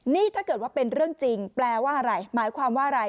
นี่ถ้าเกิดว่าเป็นเรื่องจริงแปลว่าอะไรหมายความว่าอะไร